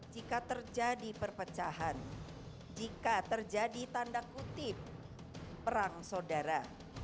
jika terjadi perpecahan jika terjadi tanda kutip perang saudara